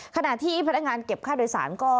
ขณะที่พนักงานเก็บค่าโดยสารก็